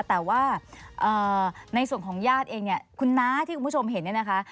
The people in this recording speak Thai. แต่ว่าในส่วนของญาติเองเนี่ยคุณน้าที่คุณผู้ชมเห็นเนี่ยนะคะ